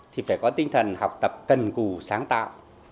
thì phải có tinh thần học tập cần cù sáng tạo